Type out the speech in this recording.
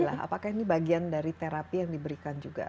apakah ini bagian dari terapi yang diberikan juga